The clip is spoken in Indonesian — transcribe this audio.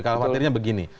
kalau khawatirnya begini